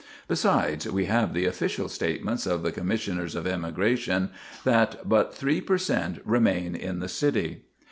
Besides, we have the official statements of the Commissioners of Emigration that but 3 per cent remain in the city.